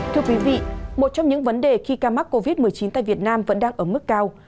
thưa quý vị một trong những vấn đề khi ca mắc covid một mươi chín tại việt nam vẫn đang ở mức cao